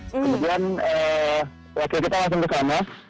kemudian wakil kita langsung ke sana